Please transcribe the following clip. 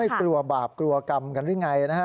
ไม่กลัวบาปกลัวกรรมกันรึไงนะฮะ